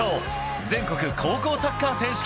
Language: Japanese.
全国高校サッカー選手権。